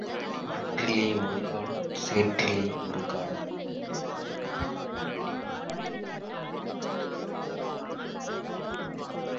ஆற்றிலே ஒரு கால் சேற்றிலே ஒரு கால்.